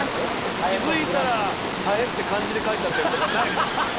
気付いたら「蝿」って漢字で書いちゃったりとかないです。